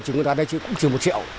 chúng ta đây cũng chỉ một triệu